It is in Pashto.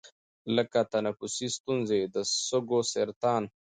لـکه تنفـسي سـتونـزې، د سـږوسـرطـان،